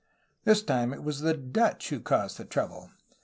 This time it was the Dutch who caused the trouble.